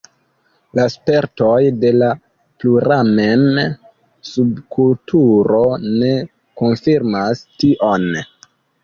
La spertoj de la pluramem-subkulturo ne konfirmas tion.